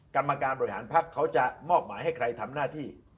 กรรมการบริหารภักดิ์เขาจะมอบหมายให้ใครทำหน้าที่